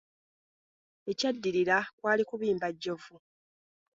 Ekyaddirira kwali kubimba jjovu.